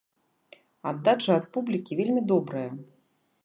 Аддача ад публікі вельмі добрая.